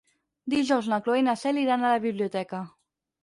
Dijous na Cloè i na Cel iran a la biblioteca.